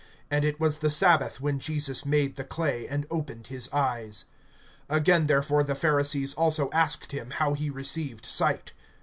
(14)And it was the sabbath when Jesus made the clay, and opened his eyes. (15)Again therefore the Pharisees also asked him, how he received sight.